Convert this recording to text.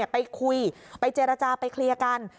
ไปคุยไปเจรจาไปเคลียร์กัน